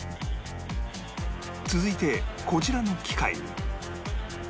続いてこちらの機械に